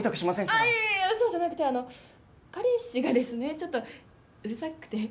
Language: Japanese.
あぁいやいやいやそうじゃなくてあの彼氏がですねちょっとうるさくて。